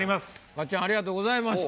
勝っちゃんありがとうございました。